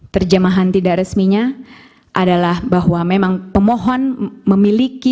terjemahan tidak resminya adalah bahwa memang pemohon memiliki